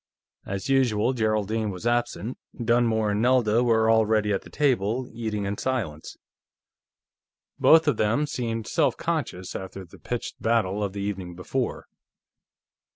As usual, Geraldine was absent; Dunmore and Nelda were already at the table, eating in silence. Both of them seemed self conscious, after the pitched battle of the evening before.